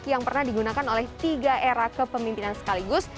yang pernah digunakan oleh tiga era kepemimpinan sekaligus